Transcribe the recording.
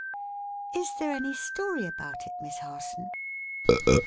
'" "Is there any story about it, Miss Harson?"